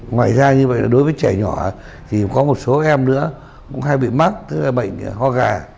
ngoài ra như vậy là đối với trẻ nhỏ thì có một số em nữa cũng hay bị mắc tức là bệnh ho gà